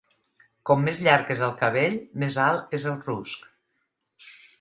Com més llarg és el cabell, més alt és el rusc.